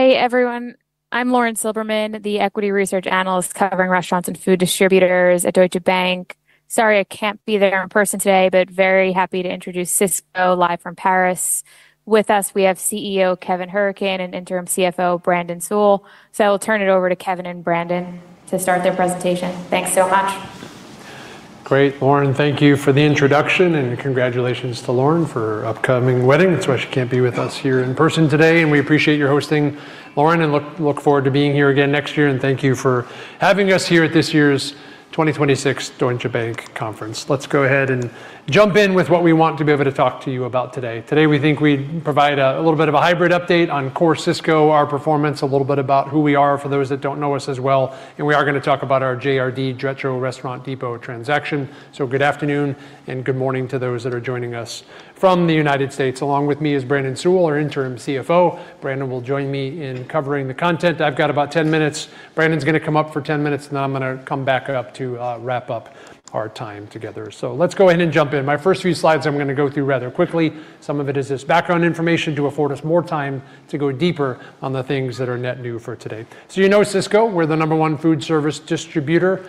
Hi, everyone. I'm Lauren Silberman, the Equity Research Analyst covering restaurants and food distributors at Deutsche Bank. Sorry I can't be there in person today, but very happy to introduce Sysco live from Paris. With us, we have Chief Executive Officer Kevin Hourican and Interim Chief Financial Officer Brandon Sewell. I'll turn it over to Kevin and Brandon to start their presentation. Thanks so much. Great, Lauren. Thank you for the introduction, and congratulations to Lauren for her upcoming wedding. That's why she can't be with us here in person today, and we appreciate your hosting, Lauren, and look forward to being here again next year, and thank you for having us here at this year's 2026 Deutsche Bank conference. Let's go ahead and jump in with what we want to be able to talk to you about today. Today, we think we provide a little bit of a hybrid update on core Sysco, our performance, a little bit about who we are for those that don't know us as well, and we are going to talk about our JRD, Jetro Restaurant Depot transaction. Good afternoon and good morning to those that are joining us from the U.S. Along with me is Brandon Sewell, our interim Chief Financial Officer. Brandon will join me in covering the content. I've got about 10 minutes. Brandon's going to come up for 10 minutes. Then I'm going to come back up to wrap up our time together. Let's go ahead and jump in. My first few slides, I'm going to go through rather quickly. Some of it is just background information to afford us more time to go deeper on the things that are net new for today. You know Sysco. We're the number one food service distributor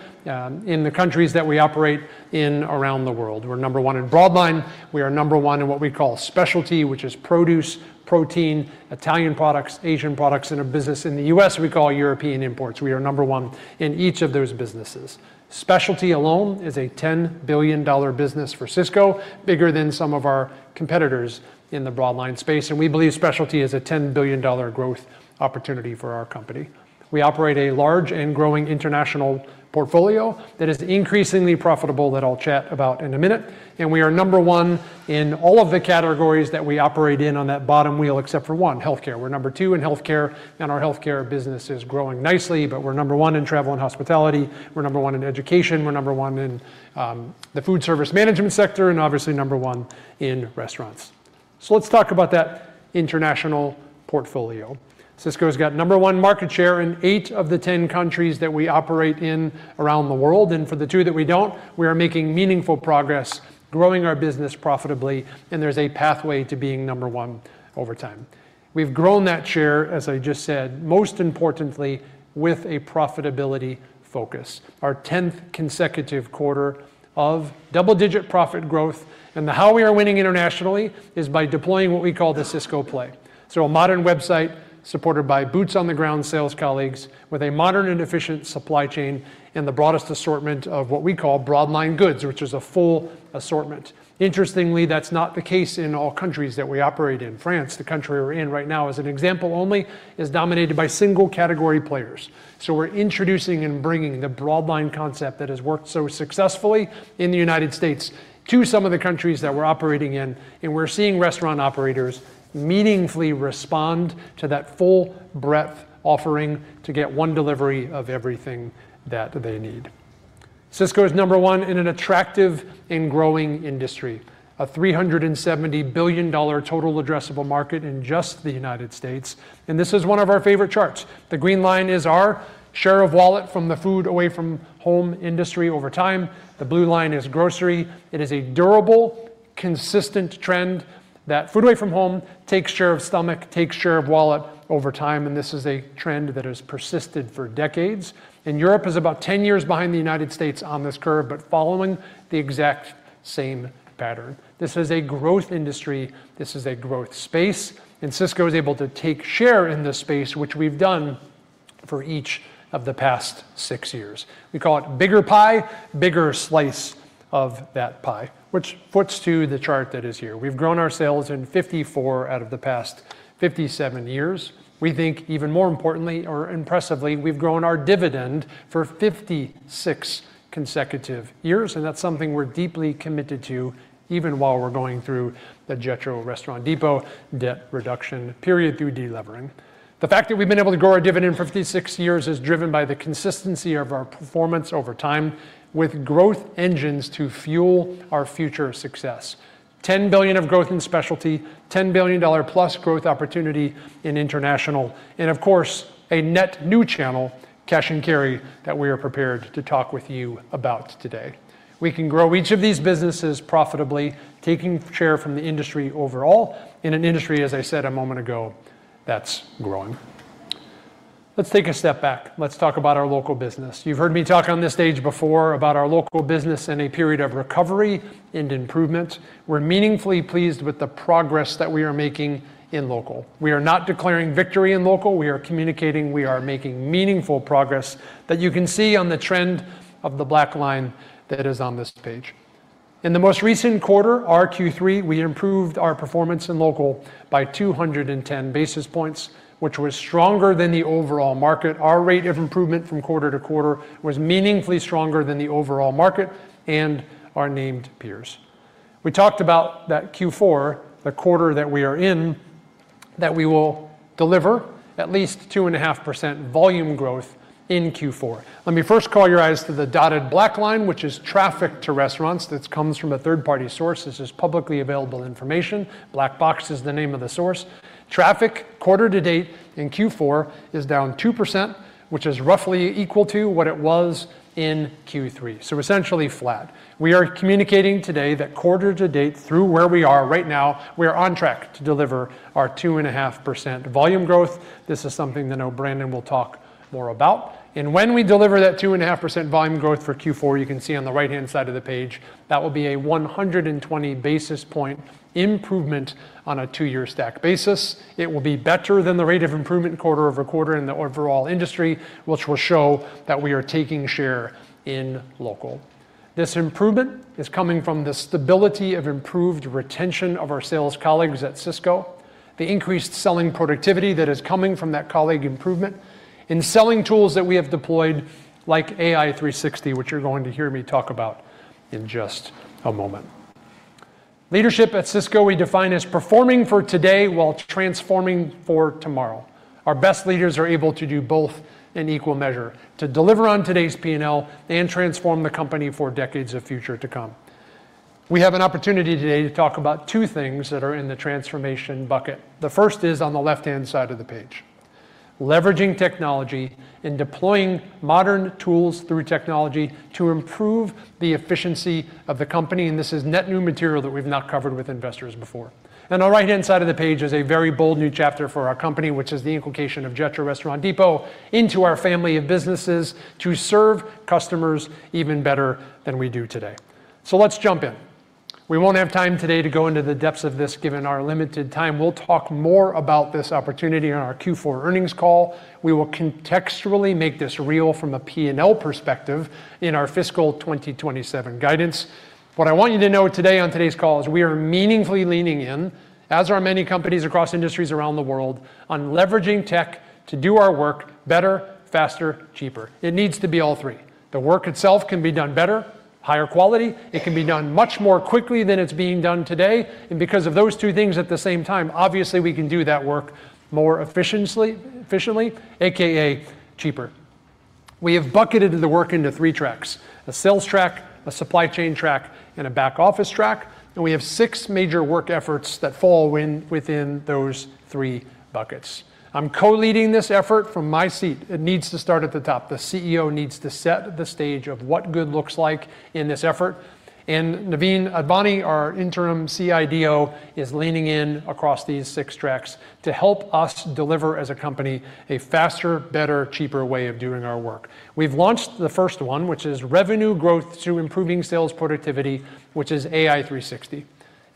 in the countries that we operate in around the world. We're number one in broadline. We are number one in what we call specialty, which is produce, protein, Italian products, Asian products, and a business in the U.S. we call European Imports. We are number 1 in each of those businesses. Specialty alone is a $10 billion business for Sysco, bigger than some of our competitors in the broadline space, and we believe specialty is a $10 billion growth opportunity for our company. We operate a large and growing international portfolio that is increasingly profitable that I'll chat about in a minute. We are number one in all of the categories that we operate in on that bottom wheel, except for one, healthcare. We're number two in healthcare, and our healthcare business is growing nicely, but we're number one in travel and hospitality. We're number one in education. We're number one in the food service management sector, and obviously number one in restaurants. Let's talk about that international portfolio. Sysco's got number one market share in eight of the 10 countries that we operate in around the world. For the two that we don't, we are making meaningful progress growing our business profitably. There's a pathway to being number one over time. We've grown that share, as I just said, most importantly, with a profitability focus. Our 10th consecutive quarter of double-digit profit growth. The how we are winning internationally is by deploying what we call the Sysco Play. A modern website supported by boots-on-the-ground sales colleagues with a modern and efficient supply chain and the broadest assortment of what we call broadline goods, which is a full assortment. Interestingly, that's not the case in all countries that we operate in. France, the country we're in right now, as an example only, is dominated by single-category players. We're introducing and bringing the broadline concept that has worked so successfully in the U.S. to some of the countries that we're operating in, and we're seeing restaurant operators meaningfully respond to that full breadth offering to get one delivery of everything that they need. Sysco is number one in an attractive and growing industry, a $370 billion total addressable market in just the U.S., and this is one of our favorite charts. The green line is our share of wallet from the food away from home industry over time. The blue line is grocery. It is a durable, consistent trend that food away from home takes share of stomach, takes share of wallet over time, and this is a trend that has persisted for decades. Europe is about 10 years behind the U.S. on this curve, but following the exact same pattern. This is a growth industry. This is a growth space, and Sysco is able to take share in this space, which we've done for each of the past six years. We call it bigger pie, bigger slice of that pie, which puts to the chart that is here. We've grown our sales in 54 out of the past 57 years. We think even more importantly or impressively, we've grown our dividend for 56 consecutive years, and that's something we're deeply committed to, even while we're going through the Jetro Restaurant Depot debt reduction period through delevering. The fact that we've been able to grow our dividend for 56 years is driven by the consistency of our performance over time with growth engines to fuel our future success. $10 billion of growth in specialty, $10+ billion growth opportunity in international, and of course, a net new channel, cash and carry, that we are prepared to talk with you about today. We can grow each of these businesses profitably, taking share from the industry overall in an industry, as I said a moment ago, that's growing. Let's take a step back. Let's talk about our local business. You've heard me talk on this stage before about our local business in a period of recovery and improvement. We're meaningfully pleased with the progress that we are making in local. We are not declaring victory in local. We are communicating we are making meaningful progress that you can see on the trend of the black line that is on this page. In the most recent quarter, our Q3, we improved our performance in local by 210 basis points, which was stronger than the overall market. Our rate of improvement from quarter-to-quarter was meaningfully stronger than the overall market and our named peers. We talked about that Q4, the quarter that we are in. We will deliver at least 2.5% volume growth in Q4. Let me first call your eyes to the dotted black line, which is traffic to restaurants, that comes from a third-party source. This is publicly available information. Black Box is the name of the source. Traffic quarter-to-date in Q4 is down 2%, which is roughly equal to what it was in Q3, so essentially flat. We are communicating today that quarter-to-date through where we are right now, we are on track to deliver our 2.5% volume growth. This is something that I know Brandon will talk more about. When we deliver that 2.5% volume growth for Q4, you can see on the right-hand side of the page, that will be a 120 basis point improvement on a two-year stack basis. It will be better than the rate of improvement quarter-over-quarter in the overall industry, which will show that we are taking share in local. This improvement is coming from the stability of improved retention of our sales colleagues at Sysco, the increased selling productivity that is coming from that colleague improvement, and selling tools that we have deployed, like AI360, which you're going to hear me talk about in just a moment. Leadership at Sysco, we define as performing for today while transforming for tomorrow. Our best leaders are able to do both in equal measure, to deliver on today's P&L and transform the company for decades of future to come. We have an opportunity today to talk about two things that are in the transformation bucket. The first is on the left-hand side of the page, leveraging technology and deploying modern tools through technology to improve the efficiency of the company, and this is net new material that we've not covered with investors before. On the right-hand side of the page is a very bold new chapter for our company, which is the inculcation of Jetro Restaurant Depot into our family of businesses to serve customers even better than we do today. Let's jump in. We won't have time today to go into the depths of this, given our limited time. We'll talk more about this opportunity on our Q4 earnings call. We will contextually make this real from a P&L perspective in our fiscal 2027 guidance. What I want you to know today on today's call is we are meaningfully leaning in, as are many companies across industries around the world, on leveraging tech to do our work better, faster, cheaper. It needs to be all three. The work itself can be done better, higher quality, it can be done much more quickly than it's being done today, and because of those two things at the same time, obviously, we can do that work more efficiently, aka cheaper. We have bucketed the work into three tracks, a sales track, a supply chain track, and a back office track, and we have six major work efforts that fall within those three buckets. I'm co-leading this effort from my seat. It needs to start at the top. The Chief Executive Officer needs to set the stage of what good looks like in this effort. Naveen Advani, our Interim Chief Information and Digital Officer, is leaning in across these six tracks to help us deliver, as a company, a faster, better, cheaper way of doing our work. We've launched the first one, which is revenue growth through improving sales productivity, which is AI360.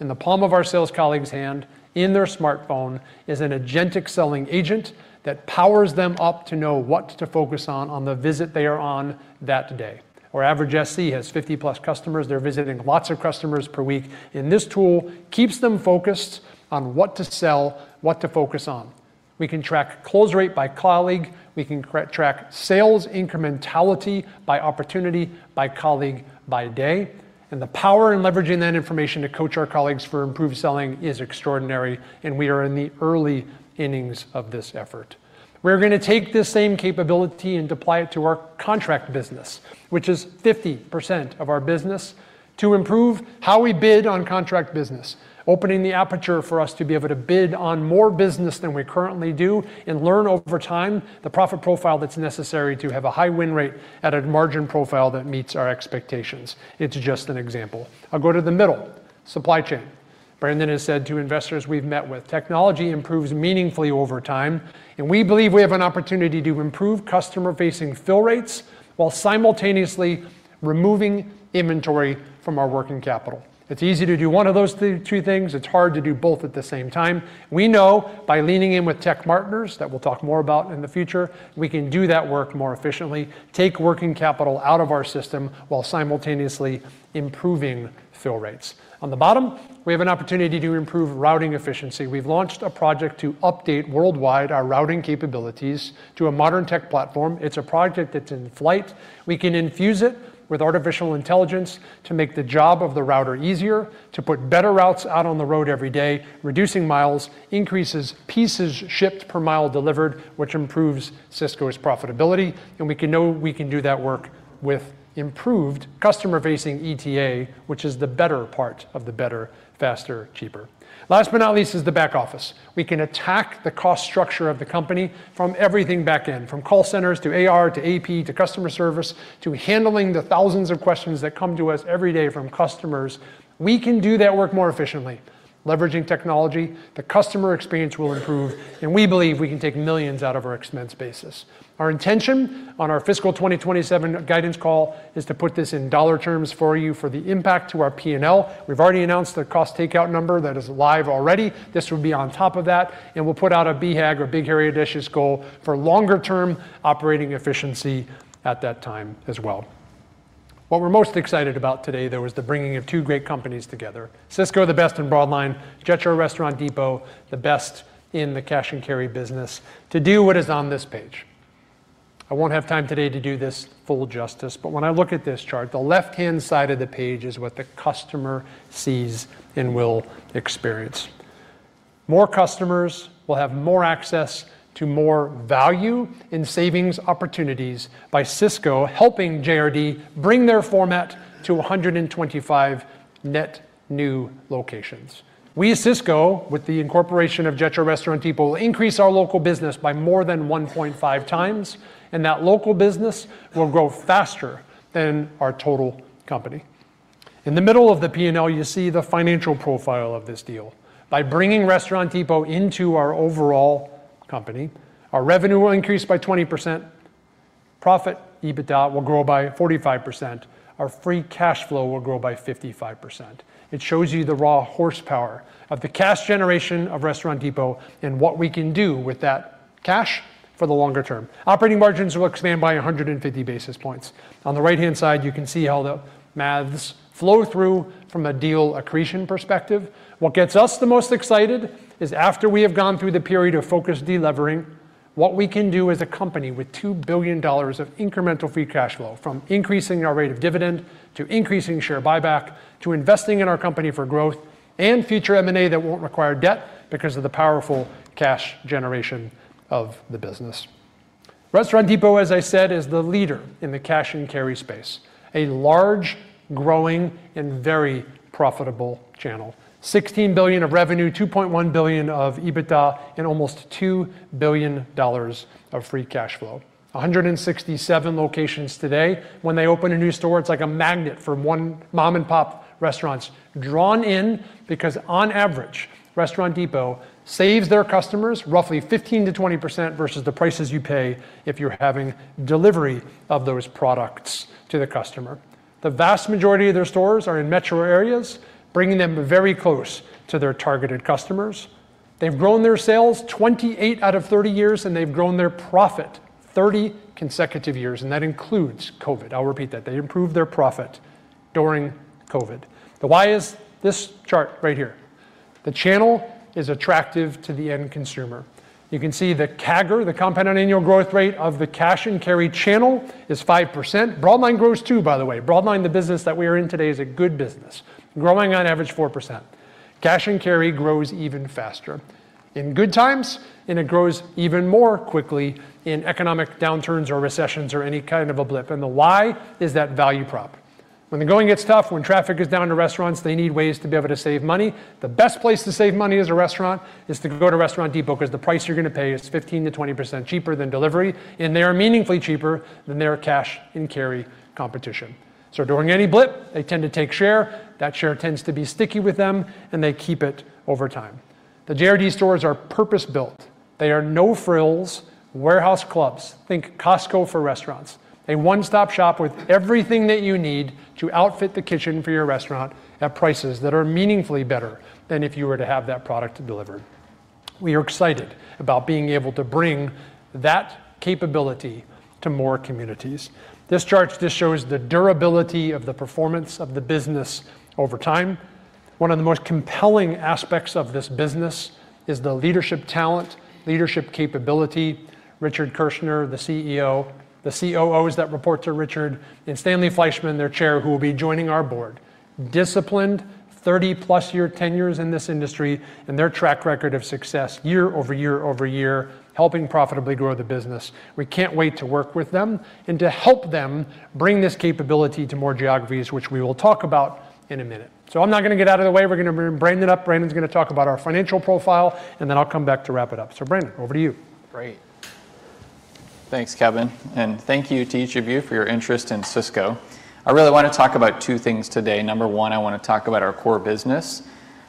In the palm of our sales colleague's hand, in their smartphone, is an agentic selling agent that powers them up to know what to focus on the visit they are on that day. Our average SC has 50+ customers. They're visiting lots of customers per week, and this tool keeps them focused on what to sell, what to focus on. We can track close rate by colleague, we can track sales incrementality by opportunity, by colleague, by day, and the power in leveraging that information to coach our colleagues for improved selling is extraordinary, and we are in the early innings of this effort. We're going to take this same capability and apply it to our contract business, which is 50% of our business, to improve how we bid on contract business, opening the aperture for us to be able to bid on more business than we currently do and learn over time the profit profile that's necessary to have a high win rate at a margin profile that meets our expectations. It's just an example. I'll go to the middle. Supply chain. Brandon has said to investors we've met with, technology improves meaningfully over time, and we believe we have an opportunity to improve customer-facing fill rates while simultaneously removing inventory from our working capital. It's easy to do one of those two things. It's hard to do both at the same time. We know by leaning in with tech partners, that we'll talk more about in the future, we can do that work more efficiently, take working capital out of our system while simultaneously improving fill rates. On the bottom, we have an opportunity to improve routing efficiency. We've launched a project to update worldwide our routing capabilities to a modern tech platform. It's a project that's in flight. We can infuse it with artificial intelligence to make the job of the router easier, to put better routes out on the road every day, reducing miles, increases pieces shipped per mile delivered, which improves Sysco's profitability, and we know we can do that work with improved customer-facing ETA, which is the better part of the better, faster, cheaper. Last but not least is the back office. We can attack the cost structure of the company from everything back-end, from call centers to AR, to AP, to customer service, to handling the thousands of questions that come to us every day from customers. We can do that work more efficiently. Leveraging technology, the customer experience will improve, and we believe we can take millions out of our expense basis. Our intention on our fiscal 2027 guidance call is to put this in dollar terms for you for the impact to our P&L. We've already announced the cost takeout number that is live already. This would be on top of that, and we'll put out a BHAG, or big, hairy, audacious, goal for longer-term operating efficiency at that time as well. What we're most excited about today, though, is the bringing of two great companies together, Sysco, the best in broadline, Jetro Restaurant Depot, the best in the cash and carry business, to do what is on this page. I won't have time today to do this full justice, but when I look at this chart, the left-hand side of the page is what the customer sees and will experience. More customers will have more access to more value in savings opportunities by Sysco helping JRD bring their format to 125 net new locations. We at Sysco, with the incorporation of Jetro Restaurant Depot, will increase our local business by more than 1.5x, and that local business will grow faster than our total company. In the middle of the P&L, you see the financial profile of this deal. By bringing Restaurant Depot into our overall company, our revenue will increase by 20%, profit EBITDA will grow by 45%, our free cash flow will grow by 55%. It shows you the raw horsepower of the cash generation of Restaurant Depot and what we can do with that cash for the longer term. Operating margins will expand by 150 basis points. On the right-hand side, you can see how the maths flow through from a deal accretion perspective. What gets us the most excited is after we have gone through the period of focused de-levering, what we can do as a company with $2 billion of incremental free cash flow, from increasing our rate of dividend, to increasing share buyback, to investing in our company for growth and future M&A that won't require debt because of the powerful cash generation of the business. Restaurant Depot, as I said, is the leader in the cash-and-carry space. A large, growing, and very profitable channel. $16 billion of revenue, $2.1 billion of EBITDA, and almost $2 billion of free cash flow. 167 locations today. When they open a new store, it's like a magnet for mom-and-pop restaurants drawn in because on average, Restaurant Depot saves their customers roughly 15%-20% versus the prices you pay if you're having delivery of those products to the customer. The vast majority of their stores are in metro areas, bringing them very close to their targeted customers. They've grown their sales 28 out of 30 years, and they've grown their profit 30 consecutive years, and that includes COVID. I'll repeat that. They improved their profit during COVID. The why is this chart right here. The channel is attractive to the end consumer. You can see the CAGR, the compound annual growth rate, of the cash-and-carry channel is 5%. Broadline grows too, by the way. Broadline, the business that we are in today, is a good business, growing on average 4%. Cash and carry grows even faster in good times, and it grows even more quickly in economic downturns or recessions or any kind of a blip. The why is that value prop. When the going gets tough, when traffic is down to restaurants, they need ways to be able to save money. The best place to save money as a restaurant is to go to Restaurant Depot because the price you're going to pay is 15%-20% cheaper than delivery. They are meaningfully cheaper than their cash-and-carry competition. During any blip, they tend to take share. That share tends to be sticky with them, and they keep it over time. The JRD stores are purpose-built. They are no-frills warehouse clubs. Think Costco for restaurants. A one-stop shop with everything that you need to outfit the kitchen for your restaurant at prices that are meaningfully better than if you were to have that product delivered. We are excited about being able to bring that capability to more communities. This chart just shows the durability of the performance of the business over time. One of the most compelling aspects of this business is the leadership talent, leadership capability. Richard Kirschner, the Chief Executive Officer, the Chief Operating Officers that report to Richard, and Stanley Fleishman, their Chair, who will be joining our board. Disciplined 30+ year tenures in this industry and their track record of success year over year over year, helping profitably grow the business. We can't wait to work with them and to help them bring this capability to more geographies, which we will talk about in a minute. I'm now going to get out of the way. We're going to bring Brandon up. Brandon's going to talk about our financial profile, and then I'll come back to wrap it up. Brandon, over to you. Great. Thanks, Kevin, and thank you to each of you for your interest in Sysco. I really want to talk about two things today. Number one, I want to talk about our core business.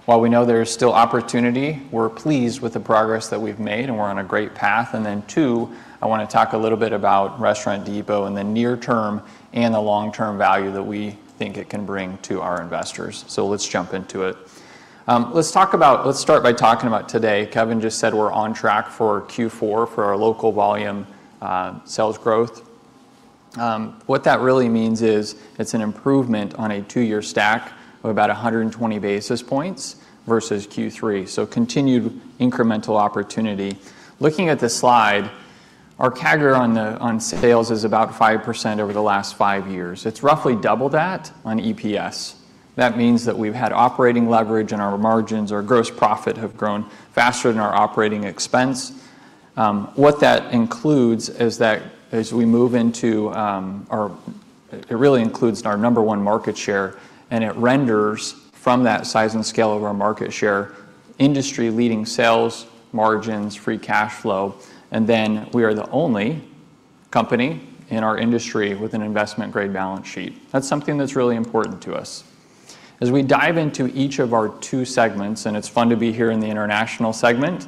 While we know there is still opportunity, we're pleased with the progress that we've made, and we're on a great path. Then two, I want to talk a little bit about Restaurant Depot and the near-term and the long-term value that we think it can bring to our investors. Let's jump into it. Let's start by talking about today. Kevin just said we're on track for Q4 for our local volume sales growth. What that really means is it's an improvement on a two-year stack of about 120 basis points versus Q3. Continued incremental opportunity. Looking at this slide, our CAGR on sales is about 5% over the last five years. It's roughly double that on EPS. That means that we've had operating leverage in our margins. Our gross profit have grown faster than our operating expense. It really includes our number one market share, it renders from that size and scale of our market share, industry-leading sales margins, free cash flow, then we are the only company in our industry with an investment-grade balance sheet. That's something that's really important to us. As we dive into each of our two segments, it's fun to be here in the international segment.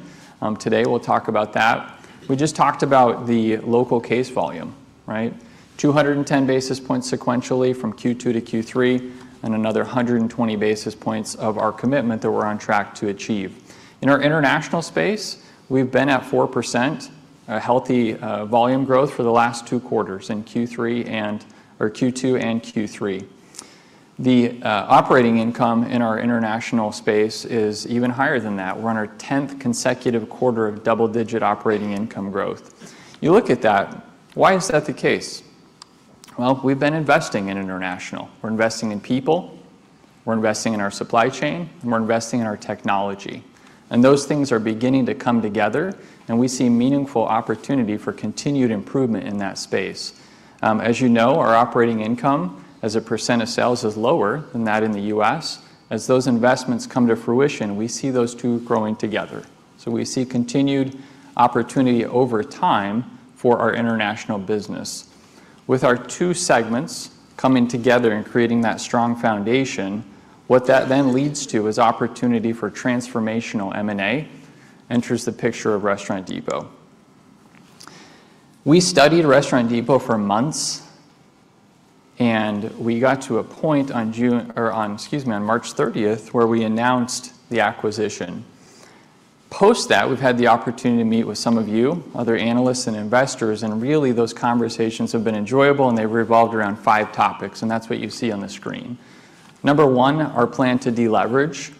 Today, we'll talk about that. We just talked about the local case volume. 210 basis points sequentially from Q2 to Q3 and another 120 basis points of our commitment that we're on track to achieve. In our International space, we've been at 4%, a healthy volume growth for the last two quarters in Q2 and Q3. The operating income in our International space is even higher than that. We're on our 10th consecutive quarter of double-digit operating income growth. You look at that, why is that the case? Well, we've been investing in International. We're investing in people, we're investing in our supply chain, and we're investing in our technology. Those things are beginning to come together and we see meaningful opportunity for continued improvement in that space. As you know, our operating income as a percent of sales is lower than that in the U.S. As those investments come to fruition, we see those two growing together. We see continued opportunity over time for our International business. With our two segments coming together and creating that strong foundation, what that leads to is opportunity for transformational M&A, enters the picture of Restaurant Depot. We studied Restaurant Depot for months, we got to a point on March 30th, where we announced the acquisition. Post that, we've had the opportunity to meet with some of you, other analysts and investors, really those conversations have been enjoyable and they've revolved around five topics, that's what you see on the screen. Number one, our plan to de-leverage.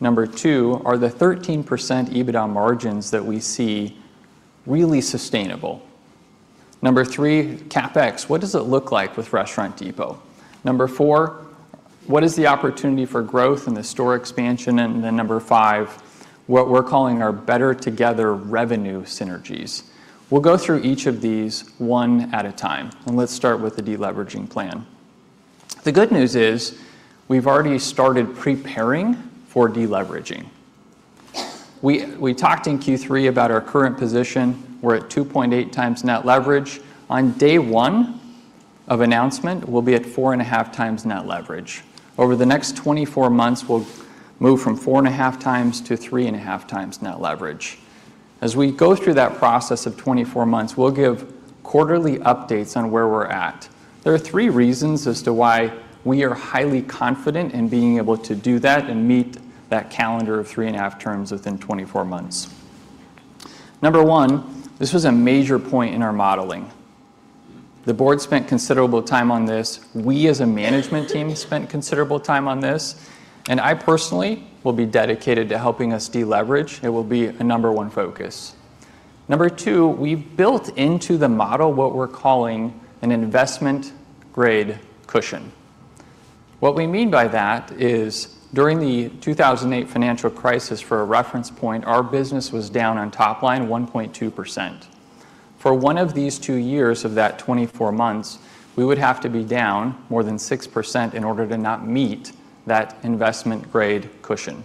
Number two, are the 13% EBITDA margins that we see really sustainable? Number three, CapEx. What does it look like with Restaurant Depot? Number four, what is the opportunity for growth and the store expansion? Number five, what we're calling our better together revenue synergies. We'll go through each of these one at a time. Let's start with the de-leveraging plan. The good news is we've already started preparing for de-leveraging. We talked in Q3 about our current position. We're at 2.8x net leverage. On day one of announcement, we'll be at 4.5x net leverage. Over the next 24 months, we'll move from 4.5x-3.5x net leverage. As we go through that process of 24 months, we'll give quarterly updates on where we're at. There are three reasons as to why we are highly confident in being able to do that and meet that calendar of three and a half terms within 24 months. Number one, this was a major point in our modeling. The board spent considerable time on this. We as a management team spent considerable time on this, and I personally will be dedicated to helping us de-leverage. It will be a number one focus. Number two, we built into the model what we're calling an investment grade cushion. What we mean by that is during the 2008 financial crisis, for a reference point, our business was down on top line 1.2%. For one of these two years of that 24 months, we would have to be down more than 6% in order to not meet that investment grade cushion.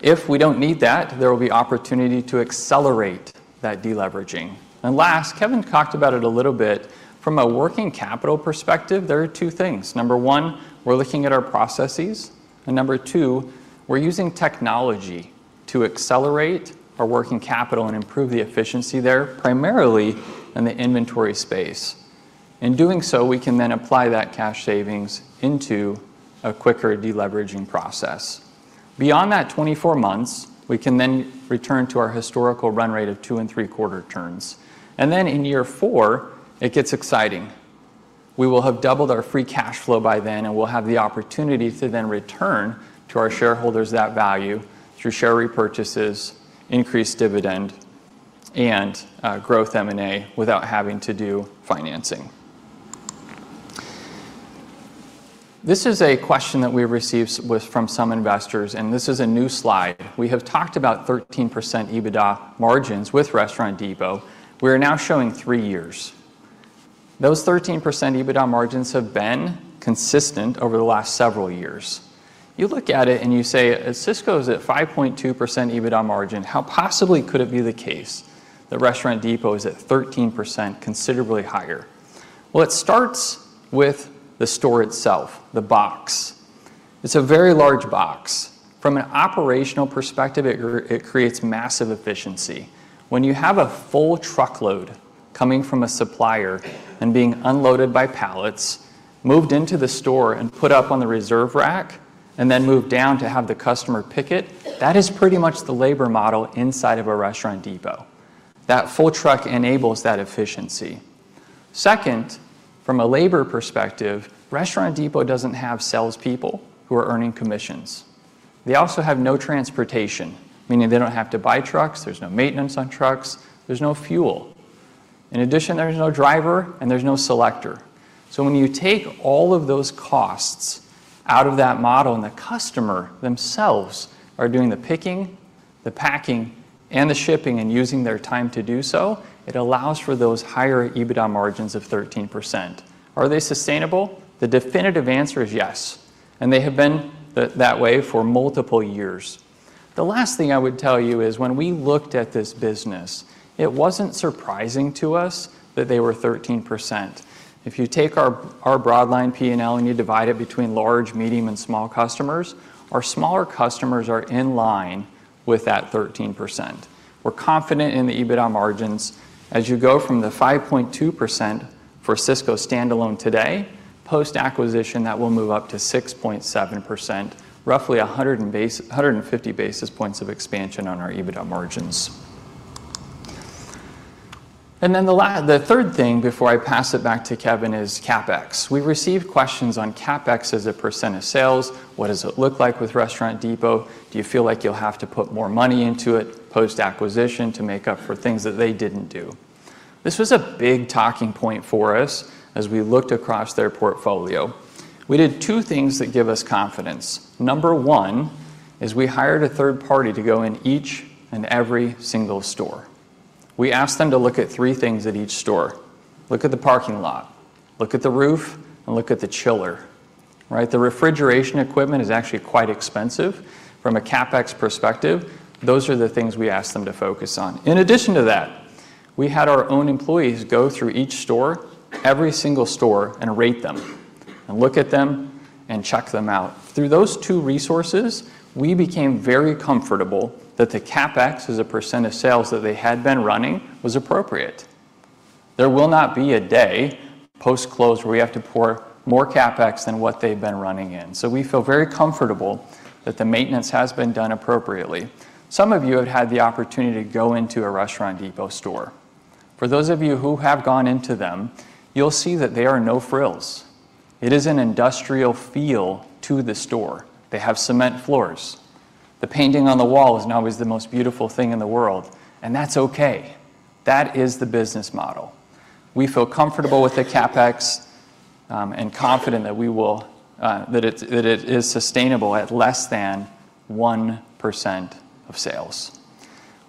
If we don't need that, there will be opportunity to accelerate that de-leveraging. Last, Kevin talked about it a little bit. From a working capital perspective, there are two things. Number one, we're looking at our processes, and number two, we're using technology to accelerate our working capital and improve the efficiency there, primarily in the inventory space. In doing so, we can then apply that cash savings into a quicker de-leveraging process. Beyond that 24 months, we can then return to our historical run rate of two and three-quarter turns. In year four, it gets exciting. We will have doubled our free cash flow by then, and we'll have the opportunity to then return to our shareholders that value through share repurchases, increased dividend, and growth M&A without having to do financing. This is a question that we've received from some investors, and this is a new slide. We have talked about 13% EBITDA margins with Restaurant Depot. We are now showing three years. Those 13% EBITDA margins have been consistent over the last several years. You look at it and you say, "Sysco's at 5.2% EBITDA margin. How possibly could it be the case that Restaurant Depot is at 13%, considerably higher?" Well, it starts with the store itself, the box. It's a very large box. From an operational perspective, it creates massive efficiency. When you have a full truckload coming from a supplier and being unloaded by pallets, moved into the store and put up on the reserve rack, and then moved down to have the customer pick it, that is pretty much the labor model inside of a Restaurant Depot. That full truck enables that efficiency. Second, from a labor perspective, Restaurant Depot doesn't have salespeople who are earning commissions. They also have no transportation, meaning they don't have to buy trucks. There's no maintenance on trucks. There's no fuel. In addition, there's no driver and there's no selector. When you take all of those costs out of that model, and the customer themselves are doing the picking, the packing, and the shipping, and using their time to do so, it allows for those higher EBITDA margins of 13%. Are they sustainable? The definitive answer is yes, and they have been that way for multiple years. The last thing I would tell you is when we looked at this business, it wasn't surprising to us that they were 13%. If you take our broadline P&L and you divide it between large, medium, and small customers, our smaller customers are in line with that 13%. We're confident in the EBITDA margins. As you go from the 5.2% for Sysco standalone today, post-acquisition, that will move up to 6.7%, roughly 150 basis points of expansion on our EBITDA margins. Then the third thing before I pass it back to Kevin is CapEx. We've received questions on CapEx as a percent of sales. What does it look like with Restaurant Depot? Do you feel like you'll have to put more money into it post-acquisition to make up for things that they didn't do? This was a big talking point for us as we looked across their portfolio. We did two things that give us confidence. Number one is we hired a third party to go in each and every single store. We asked them to look at three things at each store. Look at the parking lot, look at the roof, and look at the chiller. Right? The refrigeration equipment is actually quite expensive. From a CapEx perspective, those are the things we asked them to focus on. In addition to that, we had our own employees go through each store, every single store, and rate them, and look at them, and check them out. Through those two resources, we became very comfortable that the CapEx as a percent of sales that they had been running was appropriate. There will not be a day post-close where we have to pour more CapEx than what they've been running in. We feel very comfortable that the maintenance has been done appropriately. Some of you have had the opportunity to go into a Restaurant Depot store. For those of you who have gone into them, you'll see that they are no-frills. It is an industrial feel to the store. They have cement floors. The painting on the wall is not always the most beautiful thing in the world, and that's okay. That is the business model. We feel comfortable with the CapEx, and confident that it is sustainable at less than 1% of sales.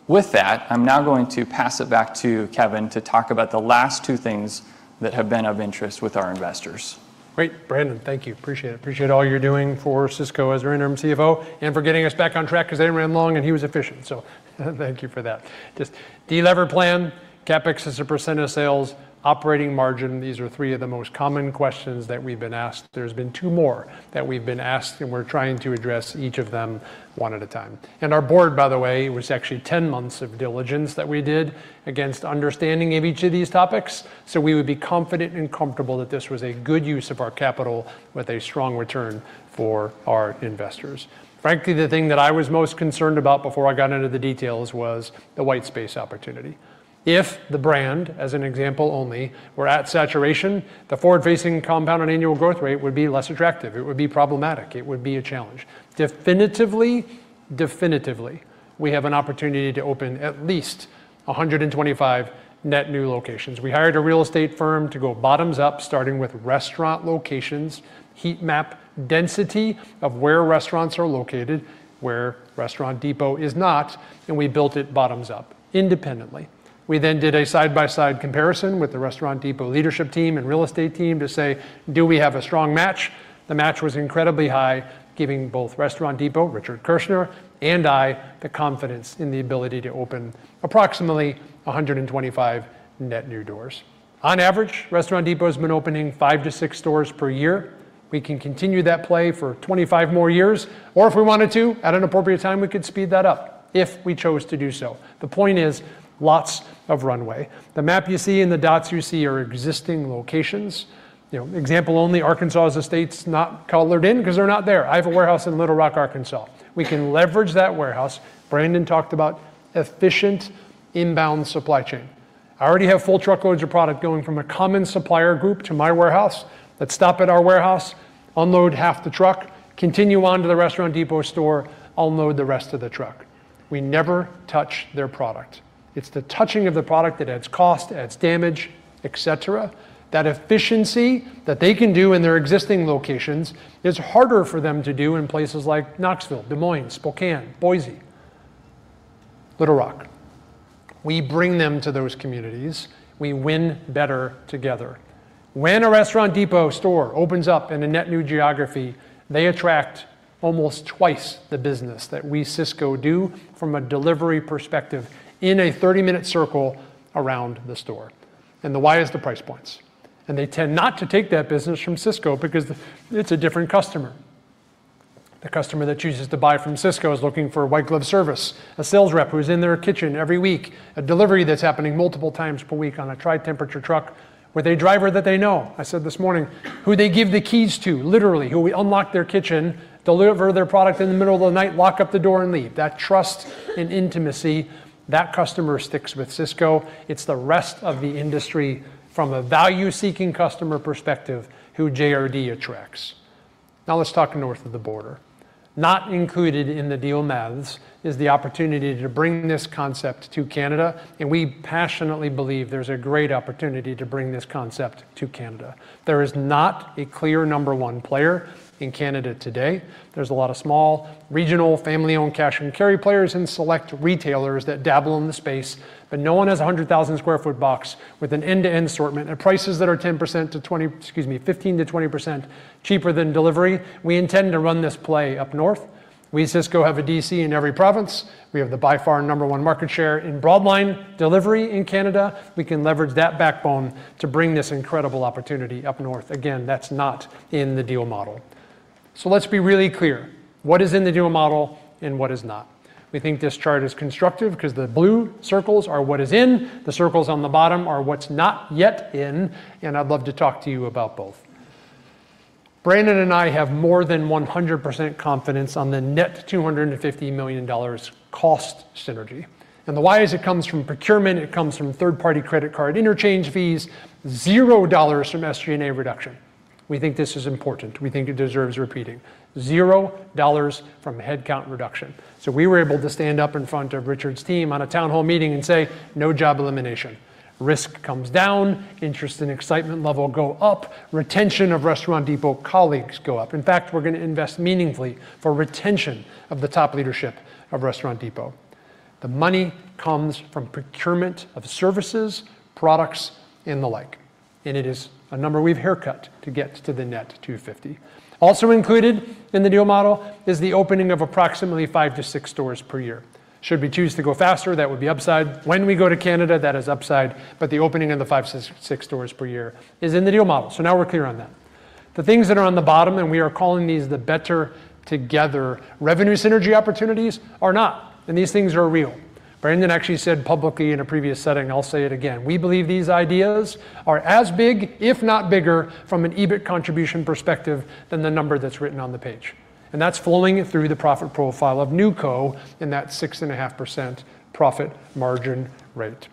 With that, I'm now going to pass it back to Kevin to talk about the last two things that have been of interest with our investors. Great, Brandon. Thank you. Appreciate it. Appreciate all you're doing for Sysco as our interim CFO and for getting us back on track because I ran long, and he was efficient, so thank you for that. This delever plan, CapEx as a percent of sales, operating margin, these are three of the most common questions that we've been asked. There's been two more that we've been asked, and we're trying to address each of them one at a time. Our board, by the way, was actually 10 months of diligence that we did against understanding of each of these topics, so we would be confident and comfortable that this was a good use of our capital with a strong return for our investors. Frankly, the thing that I was most concerned about before I got into the details was the white space opportunity. If the brand, as an example only, were at saturation, the forward-facing compounded annual growth rate would be less attractive. It would be problematic. It would be a challenge. Definitively, we have an opportunity to open at least 125 net new locations. We hired a real estate firm to go bottoms up, starting with restaurant locations, heat map density of where restaurants are located, where Restaurant Depot is not, we built it bottoms up independently. We then did a side-by-side comparison with the Restaurant Depot leadership team and real estate team to say, "Do we have a strong match?" The match was incredibly high, giving both Restaurant Depot, Richard Kirschner, and I the confidence in the ability to open approximately 125 net new doors. On average, Restaurant Depot has been opening 5-6 stores per year. We can continue that play for 25 more years, or if we wanted to, at an appropriate time, we could speed that up if we chose to do so. The point is, lots of runway. The map you see and the dots you see are existing locations. Example only, Arkansas is a state not colored in because they're not there. I have a warehouse in Little Rock, Arkansas. We can leverage that warehouse. Brandon talked about efficient inbound supply chain. I already have full truckloads of product going from a common supplier group to my warehouse, that stop at our warehouse, unload half the truck, continue on to the Restaurant Depot store, unload the rest of the truck. We never touch their product. It's the touching of the product that adds cost, adds damage, et cetera. That efficiency that they can do in their existing locations is harder for them to do in places like Knoxville, Des Moines, Spokane, Boise, Little Rock. We bring them to those communities. We win better together. When a Restaurant Depot store opens up in a net new geography, they attract almost twice the business that we, Sysco, do from a delivery perspective in a 30-minute circle around the store. The why is the price points. They tend not to take that business from Sysco because it's a different customer. The customer that chooses to buy from Sysco is looking for a white glove service, a sales rep who's in their kitchen every week, a delivery that's happening multiple times per week on a tri-temperature truck with a driver that they know, I said this morning, who they give the keys to, literally, who we unlock their kitchen, deliver their product in the middle of the night, lock up the door and leave. That trust and intimacy, that customer sticks with Sysco. It's the rest of the industry from a value-seeking customer perspective who JRD attracts. Let's talk north of the border. Not included in the deal math is the opportunity to bring this concept to Canada, and we passionately believe there's a great opportunity to bring this concept to Canada. There is not a clear number one player in Canada today. There's a lot of small, regional, family-owned cash and carry players and select retailers that dabble in the space, but no one has a 100,000 square foot box with an end-to-end assortment at prices that are 15%-20% cheaper than delivery. We intend to run this play up north. We at Sysco have a DC in every province. We have the by far number one market share in broadline delivery in Canada. We can leverage that backbone to bring this incredible opportunity up north. Again, that's not in the deal model. Let's be really clear. What is in the deal model and what is not? We think this chart is constructive because the blue circles are what is in, the circles on the bottom are what's not yet in, and I'd love to talk to you about both. Brandon and I have more than 100% confidence on the net $250 million cost synergy. The why is it comes from procurement, it comes from third-party credit card interchange fees, $0 from SG&A reduction. We think this is important. We think it deserves repeating. $0 from headcount reduction. We were able to stand up in front of Richard's team on a town hall meeting and say, "No job elimination." Risk comes down, interest and excitement level go up, retention of Restaurant Depot colleagues go up. In fact, we're going to invest meaningfully for retention of the top leadership of Restaurant Depot. The money comes from procurement of services, products and the like. It is a number we've haircut to get to the net $250. Also included in the new model is the opening of approximately five to six stores per year. Should we choose to go faster, that would be upside. When we go to Canada, that is upside, but the opening of the five to six stores per year is in the new model. Now we're clear on that. The things that are on the bottom, we are calling these the better together revenue synergy opportunities, are not. These things are real. Brandon actually said publicly in a previous setting, I'll say it again. We believe these ideas are as big, if not bigger, from an EBIT contribution perspective, than the number that's written on the page. That's flowing through the profit profile of NewCo in that 6.5% profit margin rate.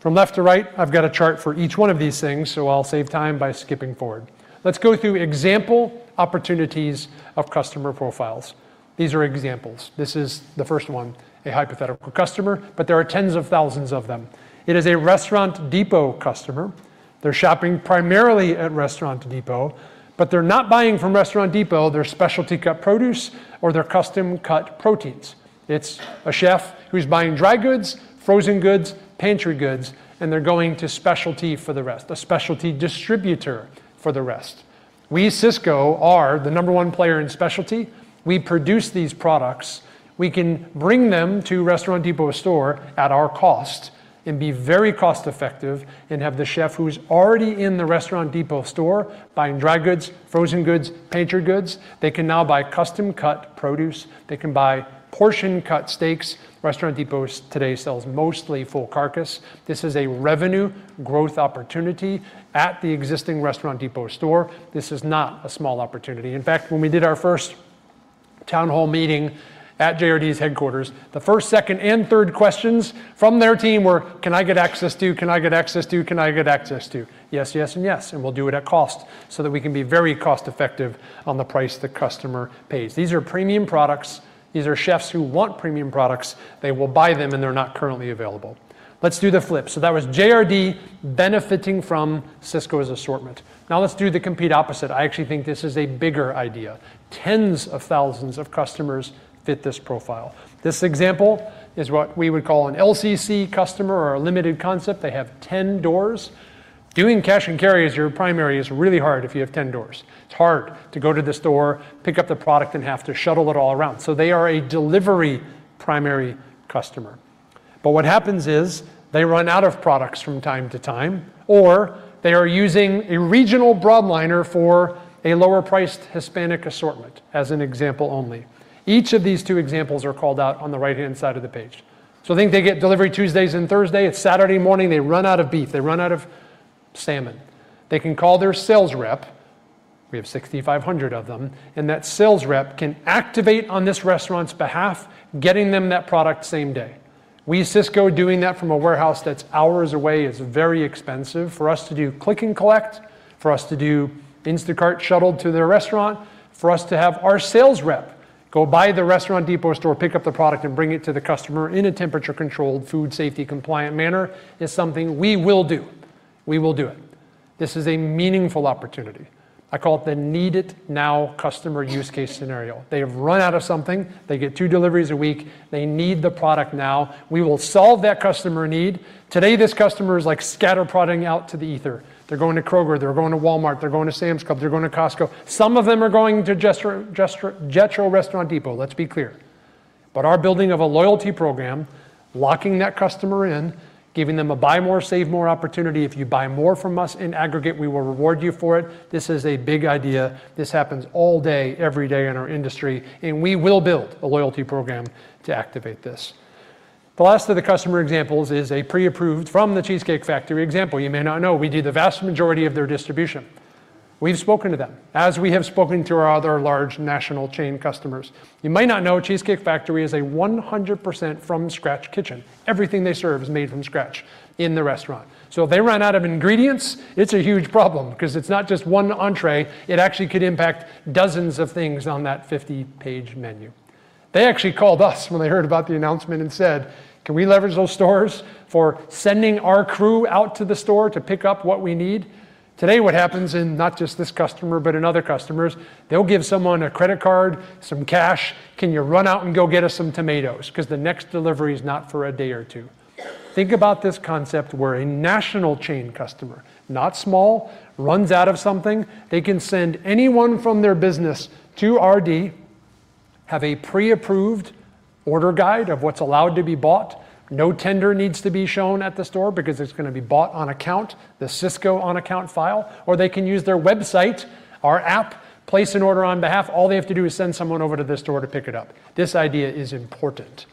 From left to right, I've got a chart for each one of these things, so I'll save time by skipping forward. Let's go through example opportunities of customer profiles. These are examples. This is the first one, a hypothetical customer, but there are tens of thousands of them. It is a Restaurant Depot customer. They're shopping primarily at Restaurant Depot, but they're not buying from Restaurant Depot their specialty cut produce or their custom cut proteins. It's a chef who's buying dry goods, frozen goods, pantry goods, and they're going to specialty for the rest. The specialty distributor for the rest. We, Sysco, are the number one player in specialty. We produce these products. We can bring them to Restaurant Depot store at our cost and be very cost effective and have the chef who's already in the Restaurant Depot store buying dry goods, frozen goods, pantry goods. They can now buy custom cut produce. They can buy portion cut steaks. Restaurant Depot today sells mostly full carcass. This is a revenue growth opportunity at the existing Restaurant Depot store. This is not a small opportunity. In fact, when we did our first town hall meeting at JRD's headquarters, the first, second and third questions from their team were, "Can I get access to?" Yes, yes, and yes. We'll do it at cost so that we can be very cost effective on the price the customer pays. These are premium products. These are chefs who want premium products. They will buy them, and they're not currently available. Let's do the flip. That was JRD benefiting from Sysco's assortment. Now let's do the complete opposite. I actually think this is a bigger idea. Tens of thousands of customers fit this profile. This example is what we would call an LCC customer or a limited concept. They have 10 doors. Doing cash and carry as your primary is really hard if you have 10 doors. It's hard to go to the store, pick up the product, and have to shuttle it all around. They are a delivery primary customer. What happens is, they run out of products from time to time, or they are using a regional broadliner for a lower priced Hispanic assortment, as an example only. Each of these two examples are called out on the right-hand side of the page. Think they get delivery Tuesdays and Thursday. It's Saturday morning, they run out of beef. They run out of salmon. They can call their sales rep, we have 6,500 of them, and that sales rep can activate on this restaurant's behalf, getting them that product same day. We, Sysco, doing that from a warehouse that's hours away is very expensive for us to do click and collect, for us to do Instacart shuttle to their restaurant. For us to have our sales rep go by the Restaurant Depot store, pick up the product, and bring it to the customer in a temperature controlled, food safety compliant manner, is something we will do. We will do it. This is a meaningful opportunity. I call it the need it now customer use case scenario. They have run out of something. They get two deliveries a week. They need the product now. We will solve that customer need. Today, this customer is like scatter-prodding out to the ether. They're going to Kroger, they're going to Walmart, they're going to Sam's Club, they're going to Costco. Some of them are going to Jetro Restaurant Depot, let's be clear. Our building of a loyalty program, locking that customer in, giving them a buy more, save more opportunity. If you buy more from us in aggregate, we will reward you for it. This is a big idea. This happens all day, every day in our industry, and we will build a loyalty program to activate this. The last of the customer examples is a pre-approved from The Cheesecake Factory example. You may not know, we do the vast majority of their distribution. We've spoken to them, as we have spoken to our other large national chain customers. You might not know, Cheesecake Factory is a 100% from scratch kitchen. Everything they serve is made from scratch in the restaurant. If they run out of ingredients, it's a huge problem because it's not just one entrée, it actually could impact dozens of things on that 50-page menu. They actually called us when they heard about the announcement and said, "Can we leverage those stores for sending our crew out to the store to pick up what we need?" Today, what happens in not just this customer, but in other customers, they'll give someone a credit card, some cash. "Can you run out and go get us some tomatoes?" Because the next delivery is not for a day or two. Think about this concept where a national chain customer, not small, runs out of something. They can send anyone from their business to RD, have a pre-approved order guide of what's allowed to be bought. No tender needs to be shown at the store because it's going to be bought on account, the Sysco on account file, or they can use their website, our app, place an order on behalf. All they have to do is send someone over to the store to pick it up. This idea is important.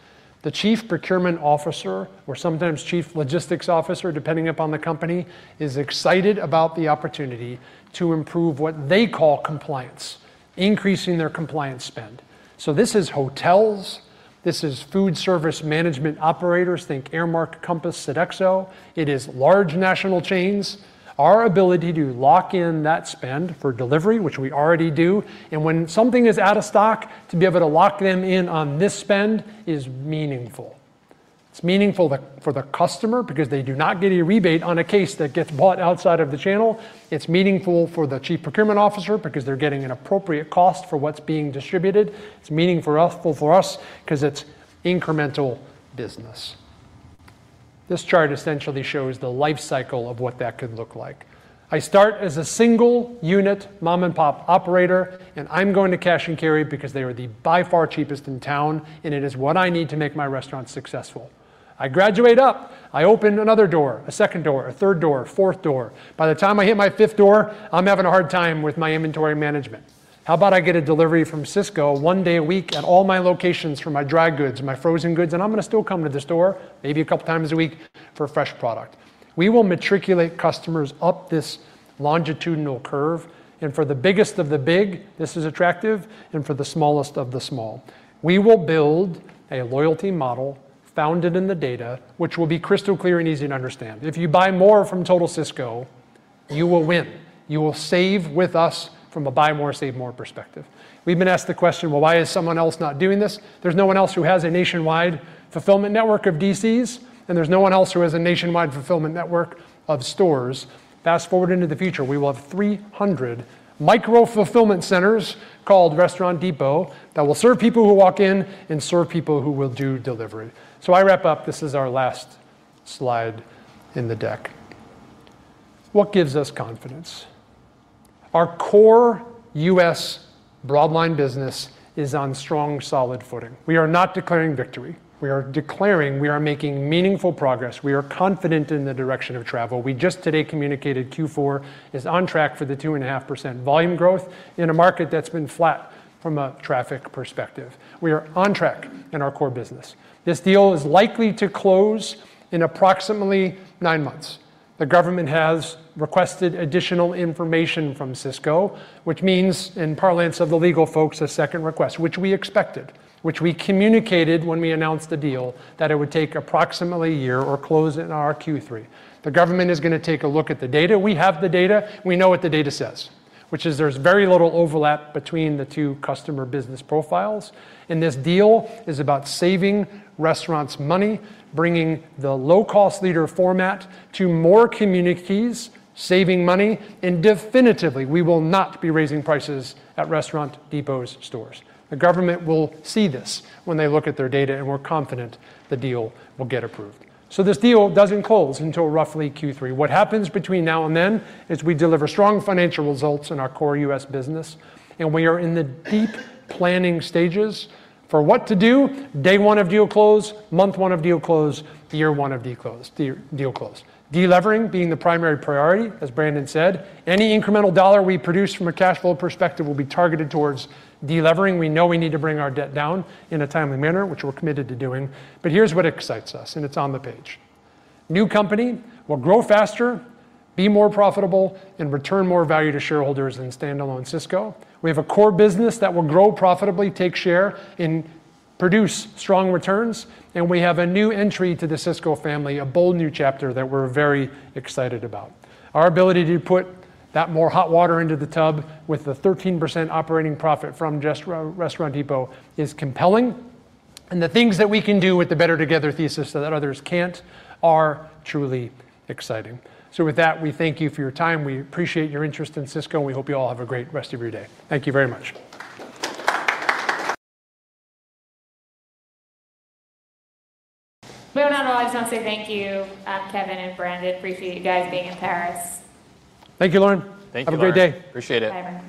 The chief procurement officer, or sometimes chief logistics officer, depending upon the company, is excited about the opportunity to improve what they call compliance, increasing their compliance spend. This is hotels This is food service management operators. Think Aramark, Compass, Sodexo. It is large national chains. Our ability to lock in that spend for delivery, which we already do, and when something is out of stock, to be able to lock them in on this spend is meaningful. It's meaningful for the customer because they do not get a rebate on a case that gets bought outside of the channel. It's meaningful for the Chief Procurement Officer because they're getting an appropriate cost for what's being distributed. It's meaningful for us because it's incremental business. This chart essentially shows the life cycle of what that could look like. I start as a single-unit mom-and-pop operator, and I'm going to cash and carry because they are the, by far, cheapest in town, and it is what I need to make my restaurant successful. I graduate up, I open another door, a second door, a third door, fourth door. By the time I hit my fifth door, I'm having a hard time with my inventory management. How about I get a delivery from Sysco one day a week at all my locations for my dry goods and my frozen goods, and I'm going to still come to the store maybe a couple times a week for fresh product. We will matriculate customers up this longitudinal curve, and for the biggest of the big, this is attractive, and for the smallest of the small. We will build a loyalty model founded in the data, which will be crystal clear and easy to understand. If you buy more from Total Sysco, you will win. You will save with us from a buy more, save more perspective. We've been asked the question, "Well, why is someone else not doing this?" There's no one else who has a nationwide fulfillment network of DCs, and there's no one else who has a nationwide fulfillment network of stores. Fast-forward into the future, we will have 300 micro-fulfillment centers called Restaurant Depot that will serve people who walk in and serve people who will do delivery. I wrap up. This is our last slide in the deck. What gives us confidence? Our core U.S. broadline business is on strong, solid footing. We are not declaring victory. We are declaring we are making meaningful progress. We are confident in the direction of travel. We just today communicated Q4 is on track for the 2.5% volume growth in a market that's been flat from a traffic perspective. We are on track in our core business. This deal is likely to close in approximately nine months. The government has requested additional information from Sysco, which means, in parlance of the legal folks, a Second Request, which we expected, which we communicated when we announced the deal that it would take approximately a year or close in our Q3. The government is going to take a look at the data. We have the data. We know what the data says, which is there's very little overlap between the two customer business profiles, and this deal is about saving restaurants money, bringing the low-cost leader format to more communities, saving money, and definitively, we will not be raising prices at Restaurant Depot stores. The government will see this when they look at their data, and we're confident the deal will get approved. This deal doesn't close until roughly Q3. What happens between now and then is we deliver strong financial results in our core U.S. business, we are in the deep planning stages for what to do day one of deal close, month one of deal close, year one of deal close. Deleveraging being the primary priority, as Brandon said. Any incremental dollar we produce from a cash flow perspective will be targeted towards deleveraging. We know we need to bring our debt down in a timely manner, which we're committed to doing. Here's what excites us. It's on the page. New company will grow faster, be more profitable, and return more value to shareholders than standalone Sysco. We have a core business that will grow profitably, take share, and produce strong returns. We have a new entry to the Sysco family, a bold new chapter that we're very excited about. Our ability to put that more hot water into the tub with the 13% operating profit from just Restaurant Depot is compelling. The things that we can do with the better together thesis that others can't are truly exciting. With that, we thank you for your time. We appreciate your interest in Sysco, and we hope you all have a great rest of your day. Thank you very much. We want to say thank you, Kevin and Brandon. Appreciate you guys being in Paris. Thank you, Lauren. Thank you, Lauren. Have a great day. Appreciate it. Bye, everyone.